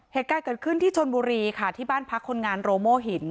เหตุการณ์เกิดขึ้นที่ชนบุรีค่ะที่บ้านพักคนงานโรโมหิน